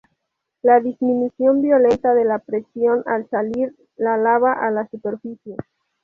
La disminución violenta de la presión al salir la lava a la superficie.